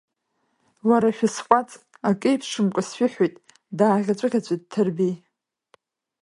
Уара, шәысҟәаҵ, акы еиԥшымкәа сшәыҳәоит, дааӷьаҵәыӷьаҵәит Ҭырбеи.